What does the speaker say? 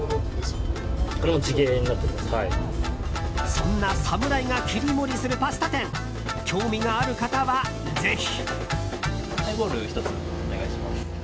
そんな侍が切り盛りするパスタ店興味がある方はぜひ！